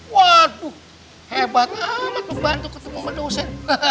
waduh hebat amat lu bantu ketemu sama dosen